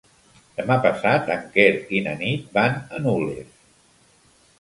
Demà passat en Quer i na Nit van a Nulles.